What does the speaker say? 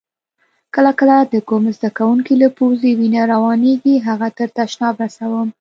کله کله د کوم زده کونکي له پوزې وینه روانیږي هغه تر تشناب رسوم.